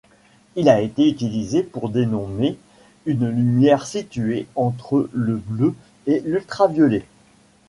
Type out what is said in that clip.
Il a été utilisé pour dénommer une lumière située entre le bleu et l'ultraviolet.